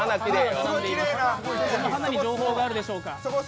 この花に情報があるでしょうか。